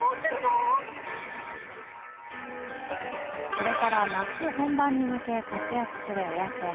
これから夏本番に向け活躍するエアコン。